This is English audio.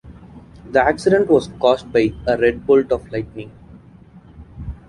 The accident was caused by a red bolt of lightning.